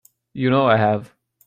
You know I have.